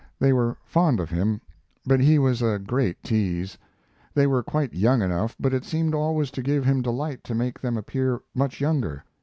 They were fond of him, but he was a great tease. They were quite young enough, but it seemed always to give him delight to make them appear much younger.